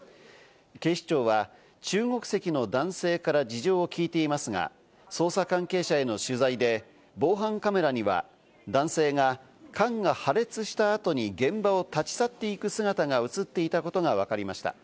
警視庁は中国籍の男性から事情を聴いていますが、捜査関係者への取材で防犯カメラには、男性が、缶が破裂した後に現場を立ち去っていく姿が映っていたことがわかりました。